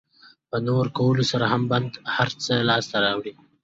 په نه ورکولو سره هم بنده هر څه لاسته راوړي.